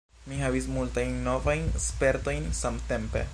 Mi havis multajn novajn spertojn samtempe.